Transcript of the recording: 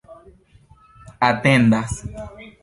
atendas